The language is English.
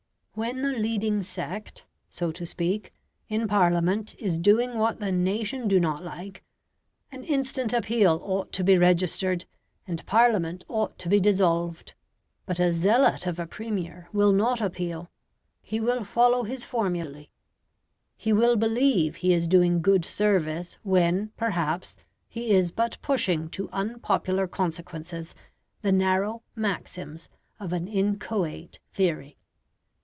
When the leading sect (so to speak) in Parliament is doing what the nation do not like, an instant appeal ought to be registered and Parliament ought to be dissolved. But a zealot of a Premier will not appeal; he will follow his formulae; he will believe he is doing good service when, perhaps, he is but pushing to unpopular consequences, the narrow maxims of an inchoate theory.